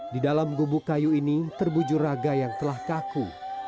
di dalam gubuk kayu ini terbuju raga yang telah kaku